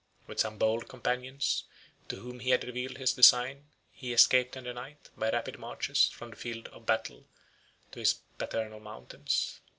With some bold companions, to whom he had revealed his design he escaped in the night, by rapid marches, from the field or battle to his paternal mountains.